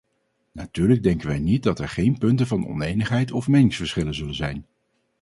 Natuurlijk denken wij niet dat er geen punten van onenigheid of meningsverschillen zullen zijn.